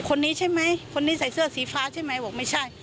คนนี้ใช่ไหมคนนี้ใส่เสื้อสีฟ้าใช่ไหมบอกไม่ใช่